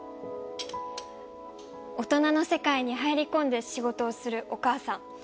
大人の世界に入り込んで仕事をするお母さん。